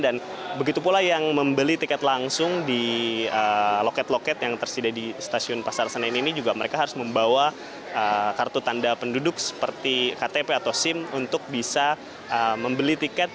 dan begitu pula yang membeli tiket langsung di loket loket yang tersedia di stasiun pasar senen ini juga mereka harus membawa kartu tanda penduduk seperti ktp atau sim untuk bisa membeli tiket